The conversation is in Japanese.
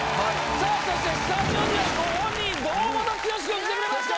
さあそしてスタジオにはご本人堂本剛君来てくれました。